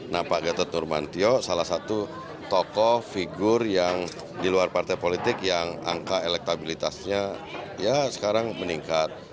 nah pak gatot nurmantio salah satu tokoh figur yang di luar partai politik yang angka elektabilitasnya ya sekarang meningkat